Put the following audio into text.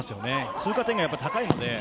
通過点が高いので。